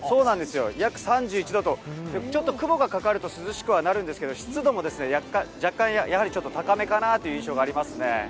約３１度と、ちょっと雲がかかると涼しくはなるんですけれども、湿度も若干やはりちょっと高めかなという印象がありますね。